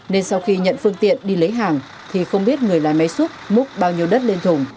nên sau khi nhận phương tiện đi lấy hàng thì không biết người lái máy xúc múc bao nhiêu đất lên thùng